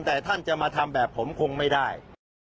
แต่ท่านจะมาทำแบบผมคงไม่ได้